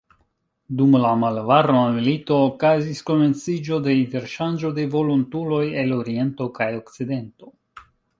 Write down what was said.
Dum la Malvarma Milito okazis komenciĝo de interŝanĝo de volontuloj el oriento kaj okcidento.